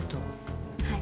はい。